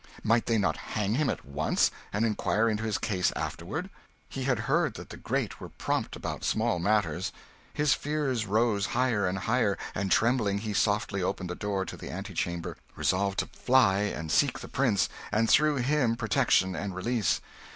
Might they not hang him at once, and inquire into his case afterward? He had heard that the great were prompt about small matters. His fear rose higher and higher; and trembling he softly opened the door to the antechamber, resolved to fly and seek the prince, and, through him, protection and release.